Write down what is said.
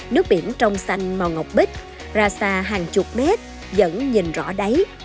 nước biển trong xanh mò ngọc bích ra xa hàng chục mét vẫn nhìn rõ đáy